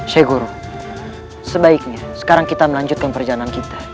syeguru sebaiknya sekarang kita melanjutkan perjalanan kita